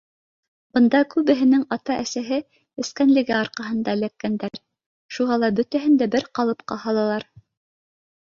Бында күбеһенең атаһы-әсәһе эскәнлеге арҡаһында эләккәндәр, шуға ла бөтәһен дә бер ҡалыпҡа һалалар.